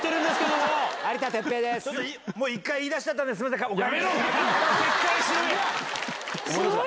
もう、一回言いだしちゃったんで、すみません、お帰りください。